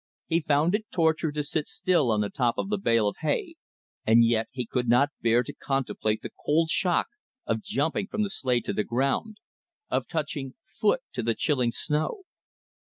He found it torture to sit still on the top of the bale of hay; and yet he could not bear to contemplate the cold shock of jumping from the sleigh to the ground, of touching foot to the chilling snow.